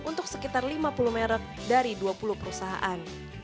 untuk sekitar lima puluh merek dari dua puluh perusahaan